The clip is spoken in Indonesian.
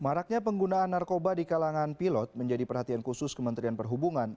maraknya penggunaan narkoba di kalangan pilot menjadi perhatian khusus kementerian perhubungan